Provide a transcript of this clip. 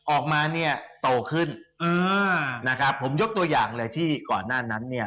ออกมาเนี่ยโตขึ้นเออนะครับผมยกตัวอย่างเลยที่ก่อนหน้านั้นเนี่ย